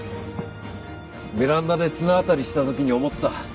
ベランダで綱渡りした時に思った。